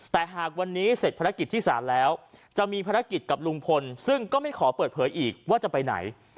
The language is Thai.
แต่หากวันนี้เสร็จภารกิจที่ศาลแล้วจะมีภารกิจกับลุงพลซึ่งก็ไม่ขอเปิดเผยอีกว่าจะไปไหน